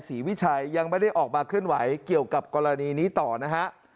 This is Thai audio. วิชัยยังไม่ได้ออกมาเคลื่อนไหวเกี่ยวกับกรณีนี้ต่อนะฮะ